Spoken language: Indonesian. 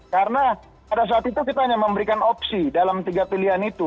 karena pada saat itu kita hanya memberikan opsi dalam tiga pilihan itu